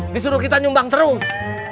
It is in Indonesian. disuruh kita nyumbang terus